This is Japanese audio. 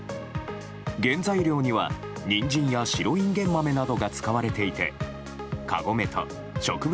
原材料にはニンジンや白インゲン豆などが使われていてカゴメと植物